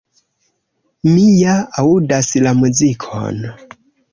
Mi ja aŭdas la muzikon!”.